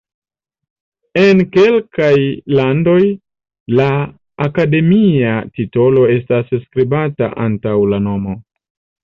En kelkaj landoj la akademia titolo estas skribata antaŭ la nomo.